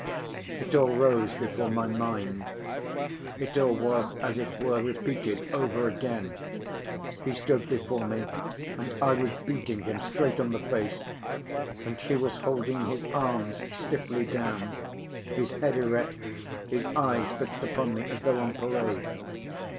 It all rose before my mind, it all was as it were repeated over again; he stood before me and I was beating him straight on the face and he was holding his arms stiffly down, his head erect, his eyes fixed upon me as though on parade.